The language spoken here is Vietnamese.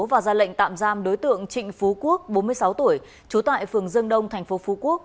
và ra lệnh tạm giam đối tượng trịnh phú quốc bốn mươi sáu tuổi trú tại phường dương đông thành phố phú quốc